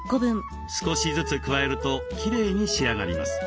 少しずつ加えるときれいに仕上がります。